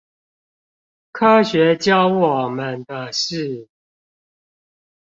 科學教我們的事